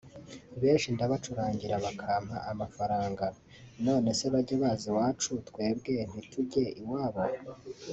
benshi ndabacurangira bakampa amafaranga […] Nonese bajye baza iwacu twebwe ntitujye iwabo